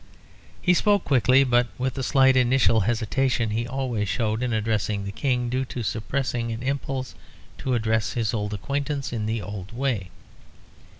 He spoke quickly, but with the slight initial hesitation he always showed in addressing the King, due to suppressing an impulse to address his old acquaintance in the old way.